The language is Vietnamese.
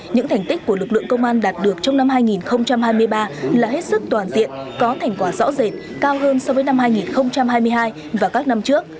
những thành tích của lực lượng công an đạt được trong năm hai nghìn hai mươi ba là hết sức toàn diện có thành quả rõ rệt cao hơn so với năm hai nghìn hai mươi hai và các năm trước